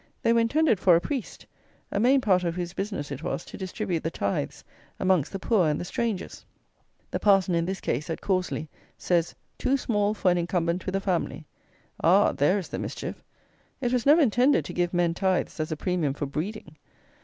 They were intended for a priest, a main part of whose business it was to distribute the tithes amongst the poor and the strangers! The parson, in this case, at Corsley, says, "too small for an incumbent with a family." Ah! there is the mischief. It was never intended to give men tithes as a premium for breeding!